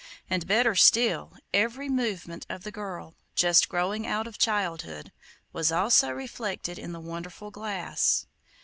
And, better still, every movement of the girl, just growing out of childhood, was also reflected in the wonderful glass.